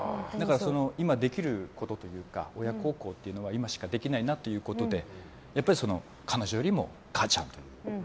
今できることというか、親孝行は今しかできないなということで彼女よりも母ちゃんという。